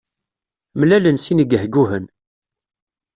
Mlalen sin igehguhen.